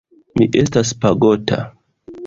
Mi estas pagota.